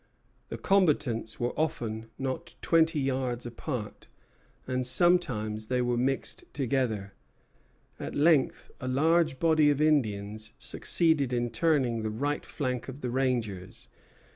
The combatants were often not twenty yards apart, and sometimes they were mixed together. At length a large body of Indians succeeded in turning the right flank of the rangers.